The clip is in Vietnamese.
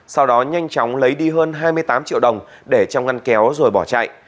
sau đó nhanh chóng lấy đi hơn hai mươi tám triệu đồng để trong ngăn kéo rồi bỏ chạy